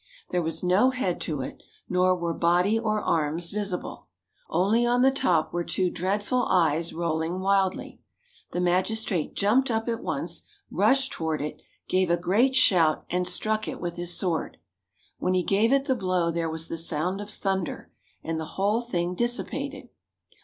There was no head to it, nor were body or arms visible. Only on the top were two dreadful eyes rolling wildly. The magistrate jumped up at once, rushed toward it, gave a great shout and struck it with his sword. When he gave it the blow there was the sound of thunder, and the whole thing dissipated.